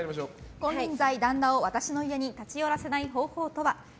金輪際、旦那を私の家に立ち寄らせない方法とは？